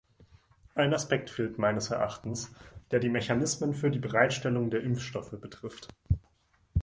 Ein Aspekt fehlt meines Erachtens, der die Mechanismen für die Bereitstellung der Impfstoffe betrifft.